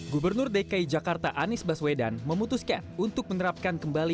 gubernur dki jakarta anies baswedan memutuskan untuk menerapkan kembali